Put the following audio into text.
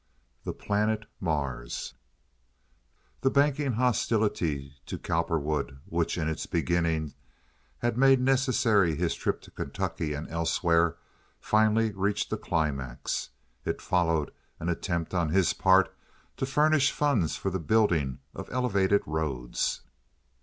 The Planet Mars The banking hostility to Cowperwood, which in its beginning had made necessary his trip to Kentucky and elsewhere, finally reached a climax. It followed an attempt on his part to furnish funds for the building of elevated roads.